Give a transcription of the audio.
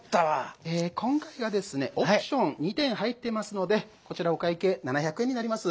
今回がですねオプション２点入っていますのでこちらお会計７００円になります。